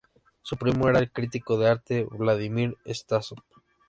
Su primo era el crítico de arte Vladímir Stásov.